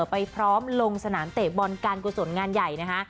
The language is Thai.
ไปพร้อมลงสนามเตะบอลการกุศลงานใหญ่นะคะ